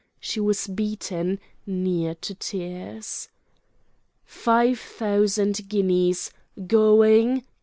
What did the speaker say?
She was beaten, near to tears. "Five thousand guineas ... going